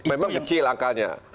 memang kecil angkanya